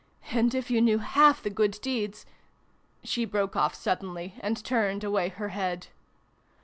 And if you knew half the good deeds " she broke off suddenly, and turned away her head.